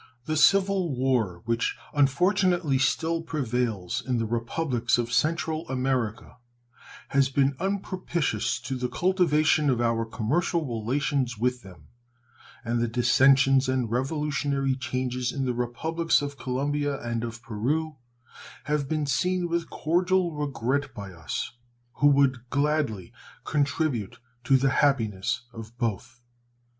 The civil war which unfortunately still prevails in the Republics of Central America has been unpropitious to the cultivation of our commercial relations with them; and the dissensions and revolutionary changes in the Republics of Colombia and of Peru have been seen with cordial regret by us, who would gladly contribute to the happiness of both.